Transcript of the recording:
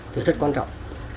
thì rất quan trọng